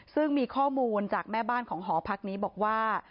ซึ่งมีข้อมูลจากแม่บ้านของหอพักนี้บอกว่า